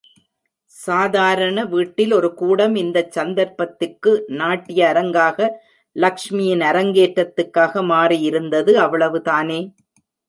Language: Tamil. சாதாரண வீட்டில் ஒரு கூடம் இந்தச் சந்தர்ப்பத்துக்கு நாட்டிய அரங்காக, லக்ஷ்மியின் அரங்கேற்றத்துக்காக மாறியிருந்தது அவ்வளவுதானே!